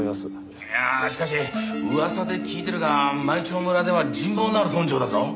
いやあしかし噂で聞いてるが舞澄村では人望のある村長だぞ。